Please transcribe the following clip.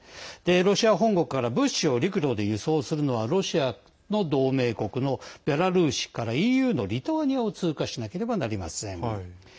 ロシア本国から物資を陸路で輸送するのはロシアの同盟国のベラルーシからＥＵのリトアニアを通過しなければなりません。